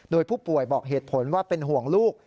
โดยผู้ป่วยบอกเหตุผลว่าเป็นห่วงลูก